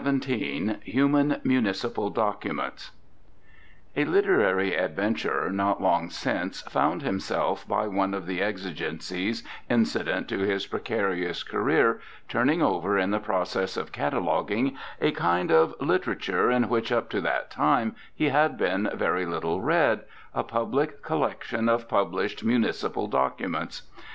XVI HUMAN MUNICIPAL DOCUMENTS A literary adventurer not long since found himself, by one of the exigencies incident to his precarious career, turning over in the process of cataloguing a kind of literature in which up to that time he had been very little read, a public collection of published municipal documents.